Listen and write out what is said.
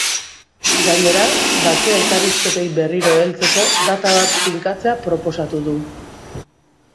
Gainera, bake elkarrizketei berriro heltzeko data bat finkatzea proposatu du.